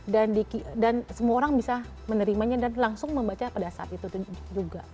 dan semua orang bisa menerimanya dan langsung membaca pada saat itu juga